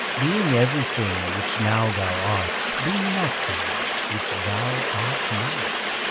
Being everything which now thou art, Be nothing which thou art not.